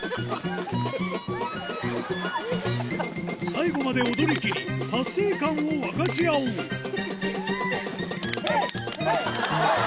最後まで踊りきり達成感を分かち合おうヘイ！